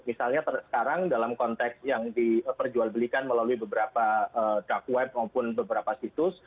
misalnya sekarang dalam konteks yang diperjualbelikan melalui beberapa dark web maupun beberapa situs